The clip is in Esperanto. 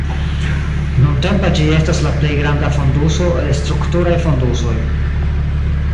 Nuntempa ĝi estas la plej granda fonduso el strukturaj fondusoj.